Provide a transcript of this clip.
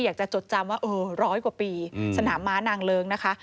จดจำว่าเออร้อยกว่าปีสนามม้านางเลิ้งนะคะ